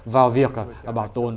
vào việc bảo tồn